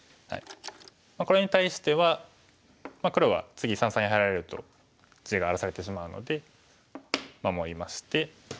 これに対しては黒は次三々に入られると地が荒らされてしまうので守りまして。